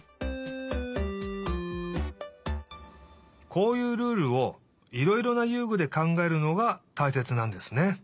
こういうルールをいろいろな遊具でかんがえるのがたいせつなんですね。